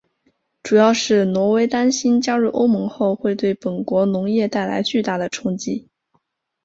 主要是挪威担心加入欧盟后会对本国农业带来巨大的冲击。